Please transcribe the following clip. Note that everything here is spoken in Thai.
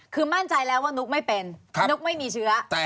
คือมั่นใจแล้วว่านุ๊กไม่เป็นนุ๊กไม่มีเชื้อ